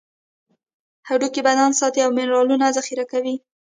هډوکي بدن ساتي او منرالونه ذخیره کوي.